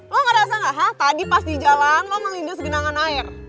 lo gak rasa gak hah tadi pas di jalan lo melindes genangan air